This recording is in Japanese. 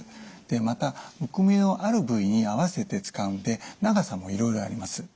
またむくみのある部位に合わせて使うので長さもいろいろあります。